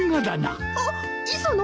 あっ磯野！